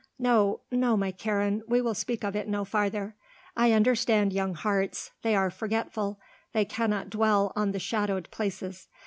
No, no, my Karen, we will speak of it no farther. I understand young hearts they are forgetful; they cannot dwell on the shadowed places.